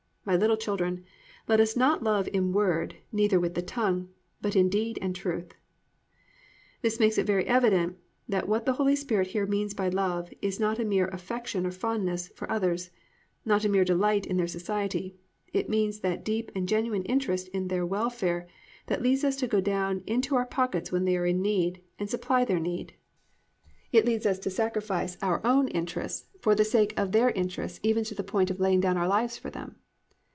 My little children, let us not love in word neither with the tongue; but in deed and truth."+ This makes it very evident that what the Holy Spirit here means by love is not a mere affection or fondness for others, not a mere delight in their society; it means that deep and genuine interest in their welfare that leads us to go down into our pockets when they are in need and supply their need; it leads us to sacrifice our own interest for the sake of their interests even to the point of laying down our lives for them.